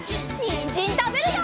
にんじんたべるよ！